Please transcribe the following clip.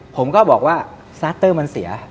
ผมก็บอกว่าซาสเตอร์มันเสีย